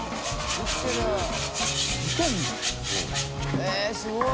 えっすごい。